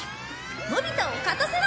のび太を勝たせろ。